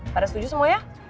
pada setuju semua ya